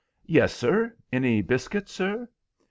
"Yes, sir. Any biscuit, sir?"